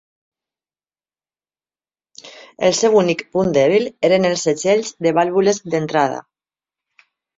El seu únic punt dèbil eren els segells de vàlvules d'entrada.